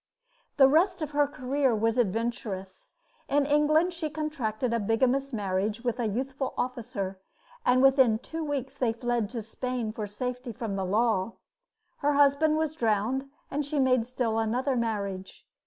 The rest of her career was adventurous. In England she contracted a bigamous marriage with a youthful officer, and within two weeks they fled to Spain for safety from the law. Her husband was drowned, and she made still another marriage.